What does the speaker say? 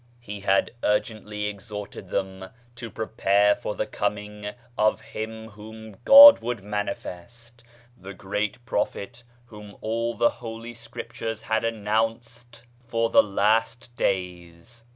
He had urgently ex horted them to prepare for the coming of " Him whom God would manifest," the Great Prophet whom all the Holy Scrip tures had announced for the Last Days.